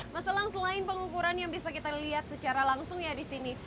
mas elang selain pengukuran yang bisa kita lihat secara langsung ya di sini